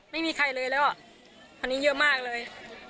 ไม่มีใครเลยแล้วอ่ะอันนี้เยอะมากเลย